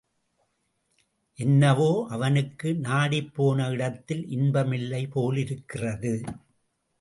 என்னவோ அவனுக்கு நாடிப்போன இடத்தில் இன்பம் இல்லை போலிருக்கிறது.